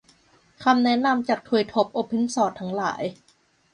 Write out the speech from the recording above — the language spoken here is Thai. คำแนะนำจากทวยทพโอเพนซอร์สทั้งหลาย